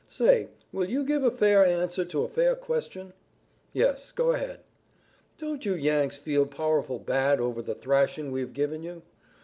Say, will you give a fair answer to a fair question?" "Yes, go ahead." "Don't you Yanks feel powerful bad over the thrashing we've given you?"